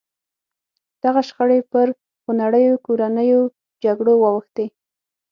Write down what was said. دغه شخړې پر خونړیو کورنیو جګړو واوښتې.